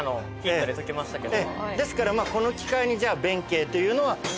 ですからこの機会に。